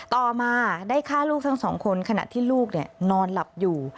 ต่อมาได้ฆ่าลูกทั้งสองคนขณะที่ลูกนอนหลับอยู่